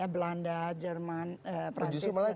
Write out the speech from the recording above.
belanda jerman pratis